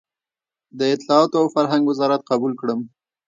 د اطلاعاتو او فرهنګ وزارت قبول کړم.